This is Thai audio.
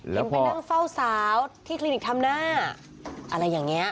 ลงไปนั่งเฝ้าสาวที่คลินิกทำหน้าอะไรอย่างนี้